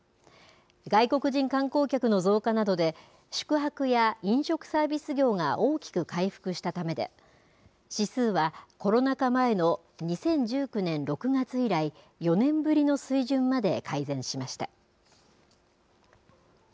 外国人観光客の増加などで、宿泊や飲食サービス業が大きく回復したためで、指数はコロナ禍前の２０１９年６月以来、４年ぶりの水準まで改善しました。